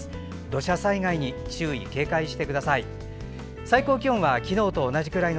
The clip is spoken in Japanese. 土砂災害に注意、警戒してください。